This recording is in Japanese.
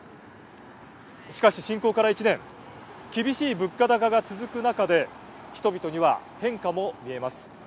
しかし侵攻から１年厳しい物価高が続く中で人々には変化も見えます。